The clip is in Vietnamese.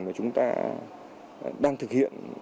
mà chúng ta đang thực hiện